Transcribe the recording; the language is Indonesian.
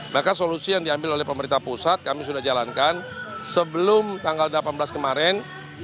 maka solusi yang diambil oleh pemerintah pusat kami sudah jalankan sebelum tanggal delapan belas kemarin